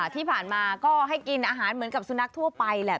ที่ผ่านมาก็ให้กินอาหารเหมือนกับสุนัขทั่วไปแหละ